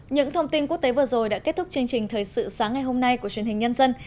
những thông tin quốc tế vừa rồi đã kết thúc chương trình thời sự sáng ngày hôm nay của truyền hình nhân dân